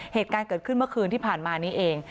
เหตุการณ์เกิดขึ้นเมื่อคืนที่ผ่านมานี้เอง